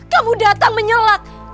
kamu datang menyelat